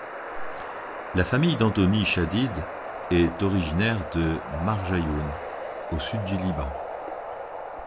La famille d'Anthony Shadid est originaire de Marjayoun, au Sud du Liban.